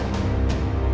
ada yang pegang dulu